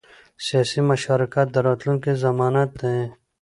سیاسي مشارکت د راتلونکي ضمانت دی